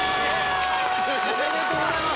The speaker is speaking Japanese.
おめでとうございます！